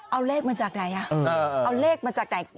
เอาเลขมาจากไหนอ่ะเอาเลขมาจากไหน